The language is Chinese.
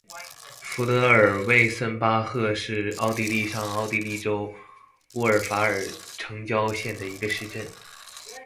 福德尔魏森巴赫是奥地利上奥地利州乌尔法尔城郊县的一个市镇。